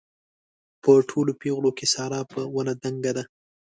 په ټولو پېغلو کې ساره په ونه دنګه ده.